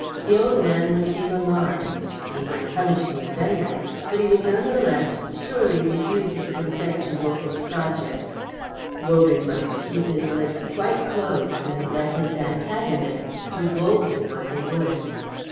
The old man would take alarm; he might punish the offender, but he would none the less surely refuse his consent to Wogan's project. Wogan must keep his lips quite closed and let his antagonists do boldly what they would.